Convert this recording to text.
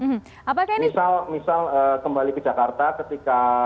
misal misal kembali ke jakarta ketika